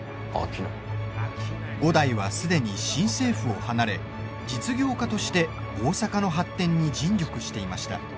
五代はすでに新政府を離れ実業家として大阪の発展に尽力していました。